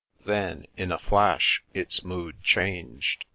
Then, in a flash, its mood changed.